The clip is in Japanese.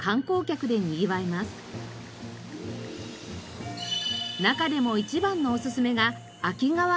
中でも一番のおすすめが秋川渓谷。